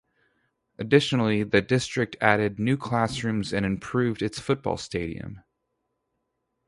Additionally, the district added new classrooms and improved its football stadium.